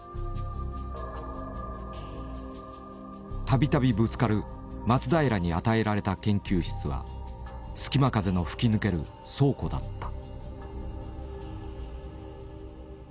たびたびぶつかる松平に与えられた研究室はすきま風の吹き抜ける倉庫だった。